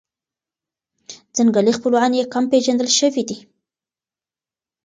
ځنګلي خپلوان یې کم پېژندل شوي دي.